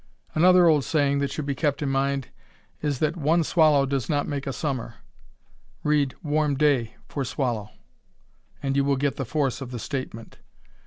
Another old saying that should be kept in mind is that "one swallow does not make a summer." Read "warm day" for "swallow" and you will get the force of the statement.